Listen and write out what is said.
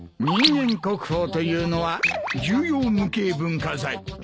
人間国宝というのは重要無形文化財。